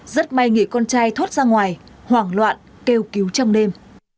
rất may nghỉ con trai thoát ra ngoài hoảng loạn kêu cứu trong đêm